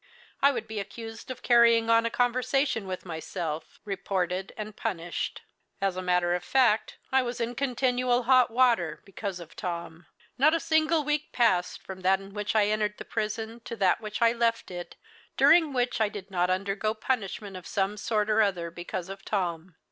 I would be accused of carrying on a conversation with myself, reported, and punished. As a matter of fact, I was in continual hot water because of Tom. Not a single week passed from that in which I entered the prison, to that in which I left it, during which I did not undergo punishment of some sort or the other, because of Tom.